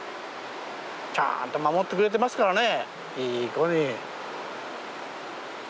ちゃんと守ってくれてますからねいい子に。